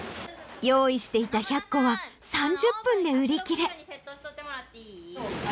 用意していた１００個は３０分で売り切れ。